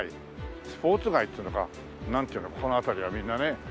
スポーツ街っていうのか？なんていうのかこの辺りはみんなね。